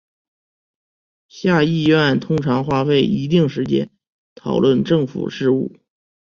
下议院通常花费一定时间讨论政府事务。